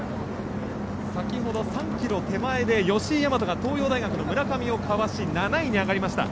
先ほど３ｋｍ手前で吉居大和が東洋大学の村上をかわし７位に上がりました。